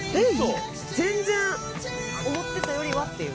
思ってたよりはっていう。